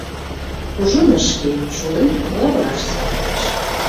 Кужун ыш кий, шулен, лавыраш савырныш».